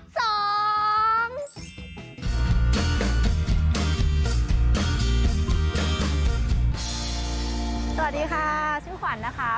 สวัสดีค่ะชื่อขวัญนะคะ